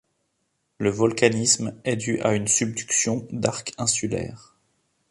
Ce volcanisme est dû à une subduction d'arc insulaire.